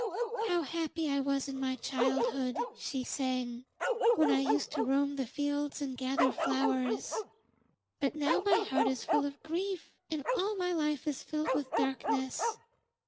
'How happy I was in my childhood,' she sang, 'when I used to roam the fields and gather flowers, but now my heart is full of grief and all my life is filled with darkness.